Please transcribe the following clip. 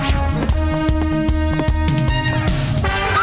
สวัสดีค่ะ